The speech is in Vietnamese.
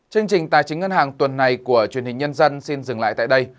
chương trình tài chính ngân hàng tuần này của truyền hình nhân dân xin dừng lại tại đây